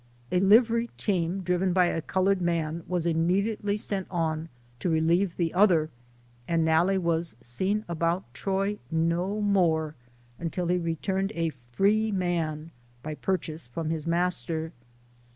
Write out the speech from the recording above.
A livery team, driven by a colored man, was im mediately s ent on to relieve the other, and Xalle LIFE OF HARRIET TUBMAN. 103 was seen about Troy no more until lie returned a free man by purchase from his master.